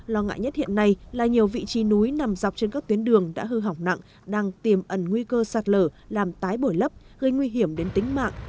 lo ngại nhất hiện nay là nhiều vị trí núi nằm dọc trên các tuyến đường đã hư hỏng nặng đang tiềm ẩn nguy cơ sạt lở làm tái bổi lấp gây nguy hiểm đến tính mạng